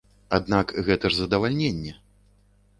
Аднак гэта ж задавальненне!